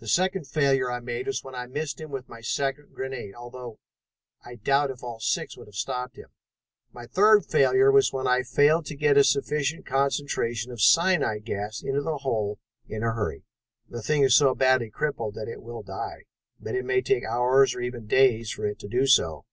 "The second failure I made was when I missed him with my second grenade, although I doubt if all six would have stopped him. My third failure was when we failed to get a sufficient concentration of cyanide gas into that hole in a hurry. The thing is so badly crippled that it will die, but it may take hours, or even days, for it to do so.